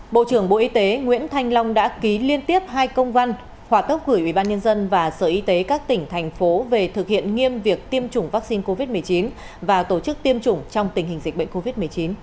bộ trưởng bộ y tế nguyễn thanh long đã ký liên tiếp hai công văn hỏa tốc gửi ubnd và sở y tế các tỉnh thành phố về thực hiện nghiêm việc tiêm chủng vaccine covid một mươi chín và tổ chức tiêm chủng trong tình hình dịch bệnh covid một mươi chín